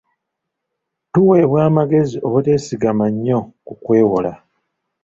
Tuweebwa amagezi obuteesigama nnyo ku kwewola.